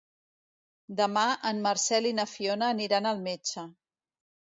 Demà en Marcel i na Fiona aniran al metge.